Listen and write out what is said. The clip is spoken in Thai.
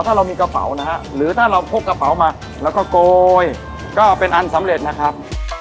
ถ้าเรามีกระเป๋านะฮะหรือถ้าเราพกกระเป๋ามาแล้วก็โกยก็เป็นอันสำเร็จนะครับ